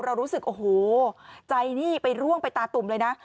รู้สึกโอ้โหใจนี่ไปร่วงไปตาตุ่มเลยนะ